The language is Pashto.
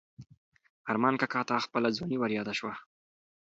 ارمان کاکا ته خپله ځواني وریاده شوه.